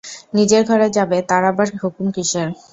নিজের ঘরে যাবে তার আবার হুকুম কিসের?